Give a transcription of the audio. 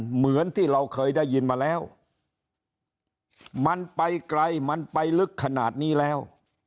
เหมือนที่เราเคยได้ยินมาแล้วมันไปไกลมันไปลึกขนาดนี้แล้ว